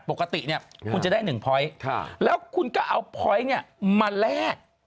ปกติเนี่ยคุณจะได้๑พอยต์แล้วคุณก็เอาพอยต์เนี่ยมาแลก